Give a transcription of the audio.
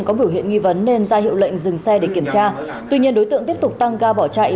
có biểu hiện nghi vấn nên ra hiệu lệnh dừng xe để kiểm tra tuy nhiên đối tượng tiếp tục tăng ga bỏ chạy